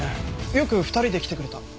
よく２人で来てくれた。